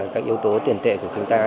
các yếu tố tuyển tệ của chúng ta